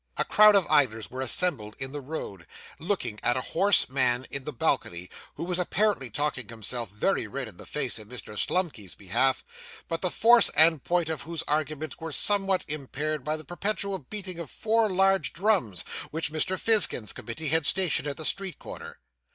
A crowd of idlers were assembled in the road, looking at a hoarse man in the balcony, who was apparently talking himself very red in the face in Mr. Slumkey's behalf; but the force and point of whose arguments were somewhat impaired by the perpetual beating of four large drums which Mr. Fizkin's committee had stationed at the street corner.